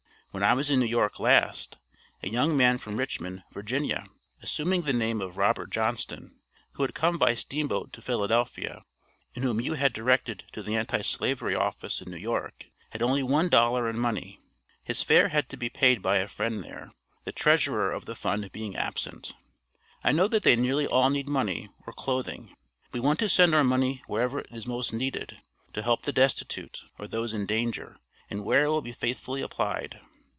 When I was in New York last, a young man from Richmond, Va., assuming the name of Robert Johnston, who had come by steamboat to Philadelphia, and whom you had directed to the Anti slavery office in New York, had only one dollar in money. His fare had to be paid by a friend there, the treasurer of the fund being absent. I know that they nearly all need money, or clothing. We want to send our money wherever it is most needed, to help the destitute, or those in danger, and where it will be faithfully applied.